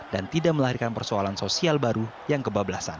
dan tidak melahirkan persoalan sosial baru yang kebablasan